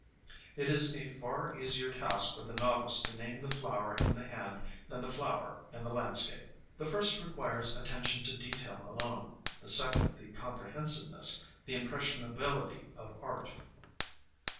It is a far easier task for the novice to name the flower in the hand than the flower in the land scape. The first requires attention to detail alone, the second the comprehensiveness, the impression ability of art.